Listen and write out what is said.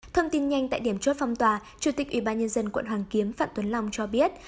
thông tin nhanh tại điểm chốt phong tòa chủ tịch ubnd quận hoàng kiếm phạm tuấn long cho biết